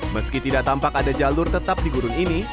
meski tidak tampak ada jalur tetap di gurun ini